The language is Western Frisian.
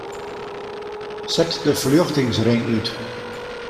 Set de ferljochtingsring út.